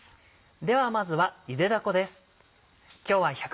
ではまずはゆでだこです。